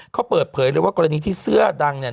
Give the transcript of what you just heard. เขาเปิดเผยเลยว่ากรณีที่เสื้อดังเนี่ย